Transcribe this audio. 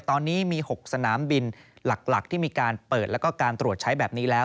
ตอนนี้มี๖สนามบินหลักที่มีการเปิดแล้วก็การตรวจใช้แบบนี้แล้ว